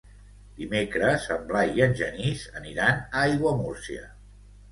Dimecres en Blai i en Genís aniran a Aiguamúrcia.